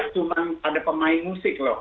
cuma ada pemain musik loh